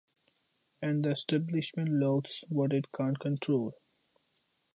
And the establishment loathes what it can't control.